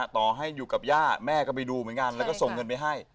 ต่อให้อยู่กับย่าแม่ก็ไปดูเหมือนกันแล้วก็ส่งเงินไปให้